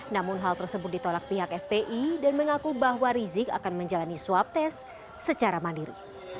namun hal tersebut ditolak pihak fpi dan mengaku bahwa rizik akan menjalani swab tes secara mandiri